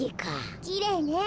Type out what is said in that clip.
きれいね。